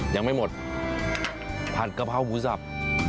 ยังไม่หมดผัดกะเพราหมูสับ